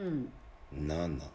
７。